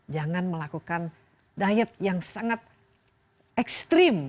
jangan melakukan diet yang sangat ekstrim